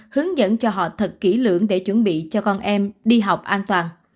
hướng dẫn cho họ thật kỹ lưỡng để chuẩn bị cho con em đi học an toàn